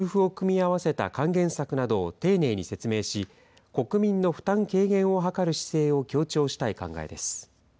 政府・与党は減税と給付を組み合わせた還元策などを丁寧に説明し、国民の負担軽減を図る姿勢を強調したい考えです。